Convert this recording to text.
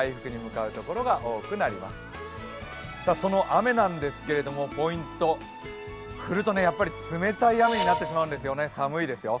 雨なんですけれども、ポイント、降ると冷たい雨になってしまうんですね、寒いですよ。